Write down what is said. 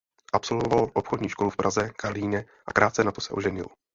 Absolvoval obchodní školu v Praze–Karlíně a krátce na to se oženil.